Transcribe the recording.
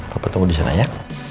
papa tunggu disana ya